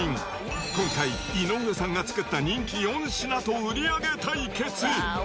今回、井上さんが作った人気４品と売り上げ対決。